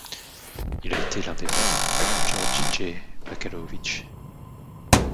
Il a été l'un des maîtres de Georgije Bakalović.